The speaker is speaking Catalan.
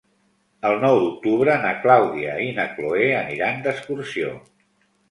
El nou d'octubre na Clàudia i na Cloè aniran d'excursió.